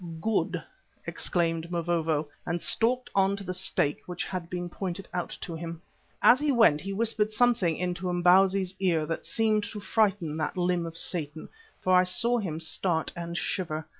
"Good," exclaimed Mavovo, and stalked on to the stake which had been pointed out to him. As he went he whispered something into Imbozwi's ear that seemed to frighten that limb of Satan, for I saw him start and shiver.